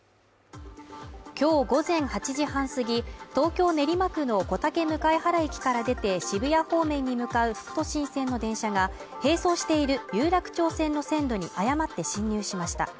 今日午前８時半すぎ、東京・練馬区の小竹向原駅から出て渋谷方面に向かう副都心線の電車が並走している有楽町線の線路に誤って進入しました。